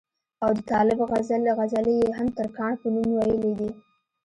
او د طالب غزلې ئې هم دترکاڼ پۀ نوم وئيلي دي